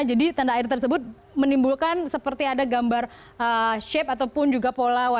jadi tanda air tersebut menimbulkan seperti ada gambar shape ataupun juga pola wajah